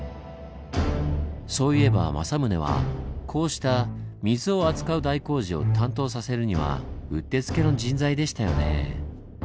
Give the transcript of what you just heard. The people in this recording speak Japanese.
そういえば政宗はこうした水を扱う大工事を担当させるにはうってつけの人材でしたよねぇ。